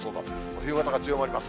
冬型が強まります。